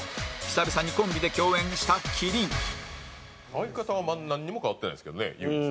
久々にコンビで共演した麒麟相方はなんにも変わってないですけどね唯一。